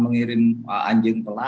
mengirim anjing pelan